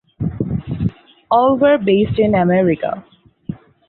All were based in America.